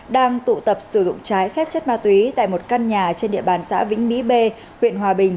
đang tụ tập sử dụng trái phép chất ma túy tại một căn nhà trên địa bàn xã vĩnh mỹ b huyện hòa bình